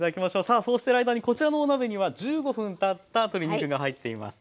さあそうしている間にこちらのお鍋には１５分たった鶏肉が入っています。